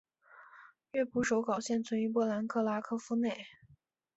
乐谱手稿现存于波兰克拉科夫内。